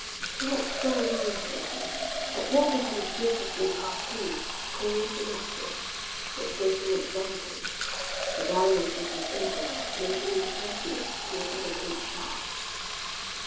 He had tried answering him, but Walker had a gift of repartee, coarse and obvious, which gave him an advantage. The dullness of his intellect made him impervious to a delicate shaft.